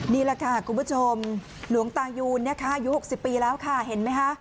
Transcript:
นี่แหละค่ะคุณผู้ชมหลวงตายูนนะคะอายุ๖๐ปีแล้วค่ะเห็นไหมคะ